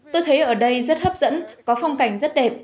tôi thấy ở đây rất hấp dẫn có phong cảnh rất đẹp